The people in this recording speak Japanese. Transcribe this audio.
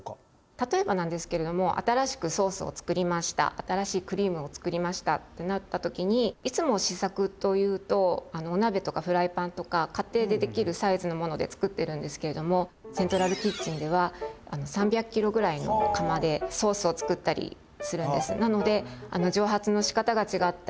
例えばなんですけれども新しくソースをつくりました新しいクリームをつくりましたってなった時にいつも試作というとお鍋とかフライパンとか家庭でできるサイズのものでつくってるんですけれどもセントラルキッチンでは３００ｋｇぐらいの釜でソースをつくったりするんです。